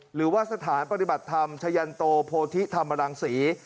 หรือว่าสถานปฏิบัติธรรมชะยันโตโพธิธรรมรังศรี